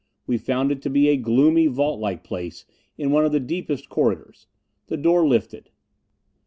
We found it to be a gloomy, vaultlike place in one of the deepest corridors. The door lifted.